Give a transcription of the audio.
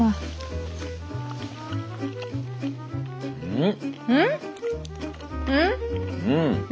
うん。